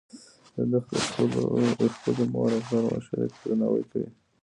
ده د خپلې مور او پلار مشورې ته درناوی کوي.